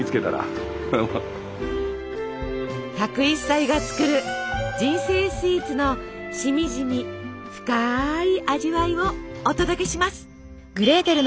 １０１歳が作る「人生スイーツ」のしみじみ深い味わいをお届けします。